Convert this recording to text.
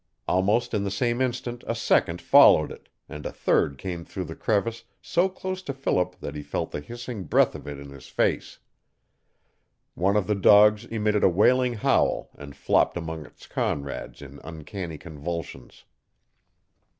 Almost in the same instant a second followed it, and a third came through the crevice so close to Philip that he felt the hissing breath of it in his face. One of the dogs emitted a wailing howl and flopped among its comrades in uncanny convulsions.